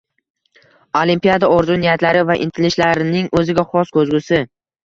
Olimpiada orzu-niyatlari va intilishlarining o‘ziga xos ko‘zgusi.